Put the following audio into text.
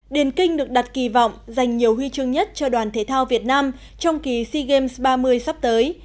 điền kinh được đặt kỳ vọng dành nhiều huy chương nhất cho đoàn thể thao việt nam trong kỳ sea games ba mươi sắp tới